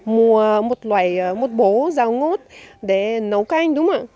tôi đã mua một bộ rào ngốt để nấu canh